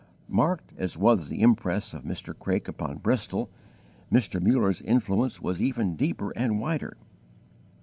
Marked as was the impress of Mr. Craik upon Bristol, Mr. Muller's influence was even deeper and wider.